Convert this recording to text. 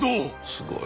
すごい！